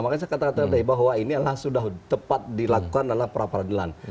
makanya saya kata kata tadi bahwa ini adalah sudah tepat dilakukan dalam pra peradilan